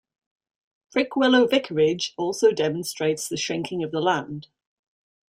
Prickwillow vicarage also demonstrates the shrinking of the land.